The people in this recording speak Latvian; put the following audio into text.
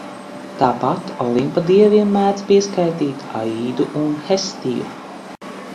Tāpat Olimpa dieviem mēdz pieskaitīt Aīdu un Hestiju.